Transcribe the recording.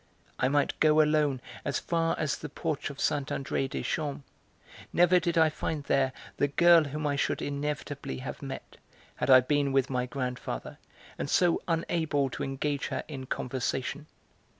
I might go alone as far as the porch of Saint André des Champs: never did I find there the girl whom I should inevitably have met, had I been with my grandfather, and so unable to engage her in conversation.